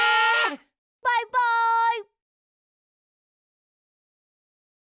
バイバイ。